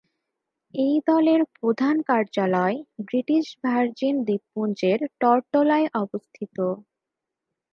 এই দলের প্রধান কার্যালয় ব্রিটিশ ভার্জিন দ্বীপপুঞ্জের টরটোলায় অবস্থিত।